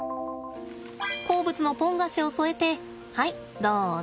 好物のポン菓子を添えてはいどうぞ。